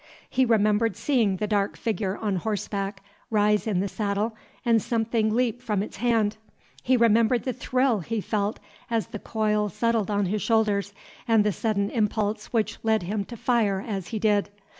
He remembered seeing the dark figure on horseback rise in the saddle and something leap from its hand. He remembered the thrill he felt as the coil settled on his shoulders, and the sudden impulse which led him to fire as he did.